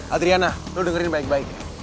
adriana lo dengerin baik baik